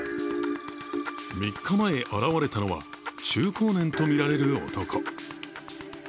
３日前、現れたのは中高年とみられる男。